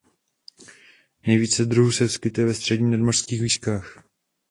Nejvíce druhů se vyskytuje ve středních nadmořských výškách.